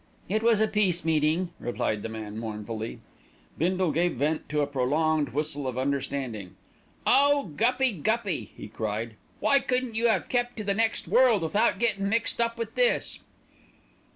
"It was a Peace meeting," replied the man mournfully. Bindle gave vent to a prolonged whistle of understanding. "Oh, Guppy, Guppy!" he cried. "Why couldn't you 'ave kept to the next world, without getting mixed up with this?"